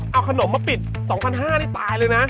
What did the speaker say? เอาขนมมาปิด๒๕๐๐นี่ตายเลยนะ